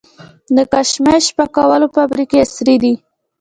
د کشمش پاکولو فابریکې عصري دي؟